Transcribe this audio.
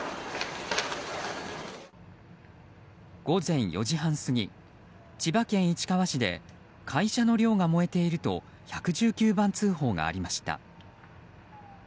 午前４時半過ぎ、千葉県市川市で会社の寮が燃えていると１１９番通報がありました。